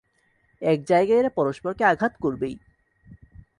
এক জায়গায় এরা পরস্পরকে আঘাত করবেই।